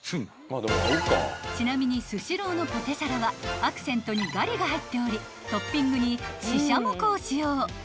［ちなみにスシローのポテサラはアクセントにガリが入っておりトッピングにししゃもこを使用］